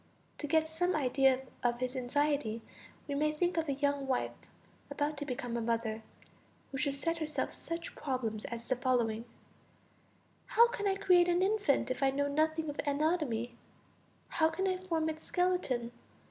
To get some idea of his anxiety we may think of a young wife about to become a mother, who should set herself such problems as the following: how can I create an infant, if I know nothing of anatomy; how can I form its skeleton?